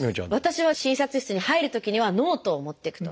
私は診察室に入るときにはノートを持っていくと。